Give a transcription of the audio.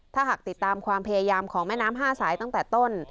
ถ้าหากติดตามความพยายามของแม่น้ำ๕สายตั้งแต่ต้น